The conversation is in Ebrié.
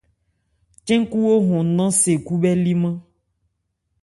Cɛ́n-kúwo hɔn nnan se khúbhɛ́límán.